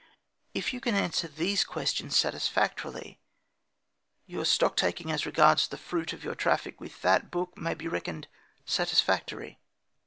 If you can answer these questions satisfactorily, your stocktaking as regards the fruit of your traffic with that book may be reckoned satisfactory.